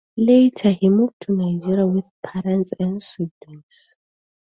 Later he moved to Nigeria with parents and siblings.